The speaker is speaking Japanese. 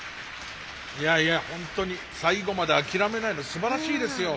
いやいやホントに最後まで諦めないのすばらしいですよ。